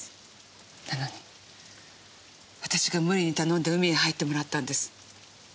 なのに私が無理に頼んで海へ入ってもらったんです。